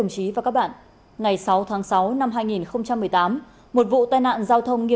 các bạn hãy đăng ký kênh để ủng hộ kênh của chúng mình nhé